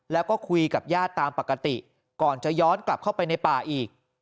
แล้วก็คุยกับญาติตามปกติก่อนจะย้อนกลับเข้าไปในป่าอีก